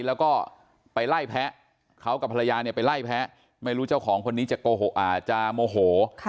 แล้วก็ไปไล่แพ้เขากับภรรยาเนี่ยไปไล่แพ้ไม่รู้เจ้าของคนนี้จะโมโห